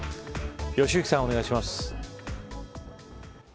良幸さん、お願いします。